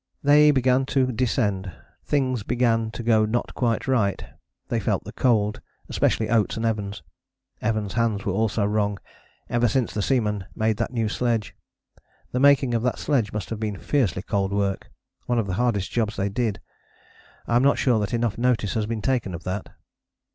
They began to descend. Things began to go not quite right: they felt the cold, especially Oates and Evans: Evans' hands also were wrong ever since the seamen made that new sledge. The making of that sledge must have been fiercely cold work: one of the hardest jobs they did. I am not sure that enough notice has been taken of that.